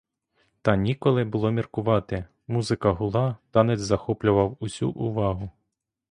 Та ніколи було міркувати: музика гула, танець захоплював усю увагу.